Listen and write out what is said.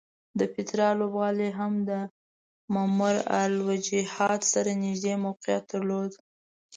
د پیترا لوبغالی هم د ممر الوجحات سره نږدې موقعیت درلود.